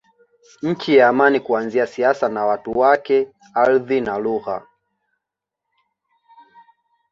Nchi ya Amani Kuanzia siasa na watu wake ardhi na lugha